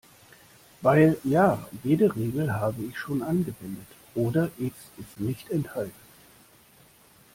Weil, ja, jede Regel habe ich schon angewendet oder X ist nicht enthalten.